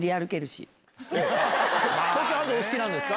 お好きなんですか？